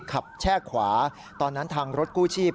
แช่ขวาตอนนั้นทางรถกู้ชีพ